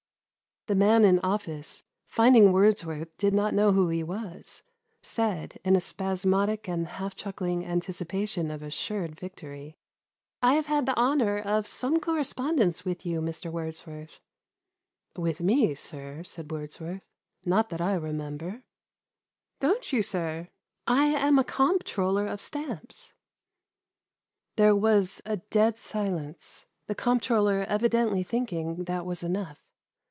The nian in office, finding Wordsworth did not know who h« was, said, in a spasmodic and half chuckling anticipation of assured victory, " I have had the honour of some correspond ence with you, Mr. Wordsworth." "With me, sir?" said Wordsworth ;" not that I remember.*' " Don't you, sir ? I 342 AUTOBIOGRAPHY OF B. R. HAYDON. [1817. am a comptroller of stamps." There was a dead silence ; the comptroller evidently thinking that was enough.